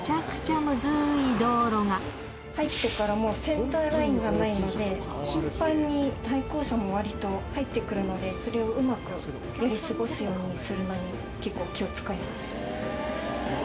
早速、入ってから、もうセンターラインがないので、頻繁に対向車もわりと入ってくるので、それをうまくやり過ごすようにするのに、結構、気を遣います。